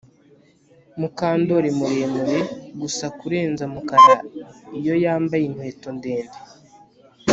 Mukandoli muremure gusa kurenza Mukara iyo yambaye inkweto ndende